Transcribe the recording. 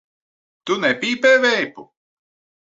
Tu nepīpē veipu?